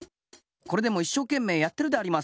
これでもいっしょうけんめいやってるであります。